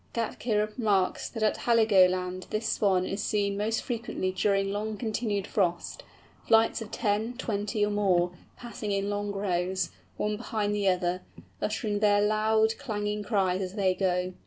Gätke remarks, that at Heligoland this Swan is seen most frequently during long continued frost, flights of ten, twenty, or more, passing in long rows, one behind the other, uttering their loud clanging cries as they go.